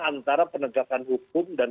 antara penegakan hukum dan